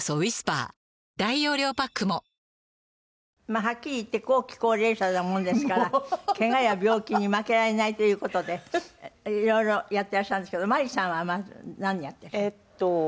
まあはっきり言って後期高齢者なものですからけがや病気に負けられないという事でいろいろやってらっしゃるんですけどまりさんはまず何やってらっしゃる？